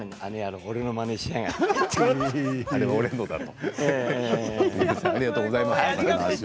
俺のまねしたなと。